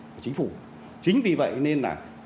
của chính phủ chính vì vậy nên là